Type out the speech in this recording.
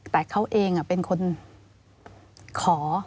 แต่เขาเองเป็นคนขอ